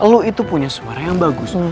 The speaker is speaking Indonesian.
lo itu punya suara yang bagus